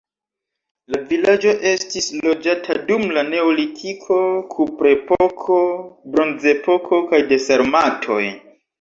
La vilaĝo estis loĝata dum la neolitiko, kuprepoko, bronzepoko kaj de sarmatoj.